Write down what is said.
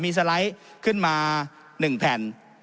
มีสไลด์ขึ้นมา๑แผ่น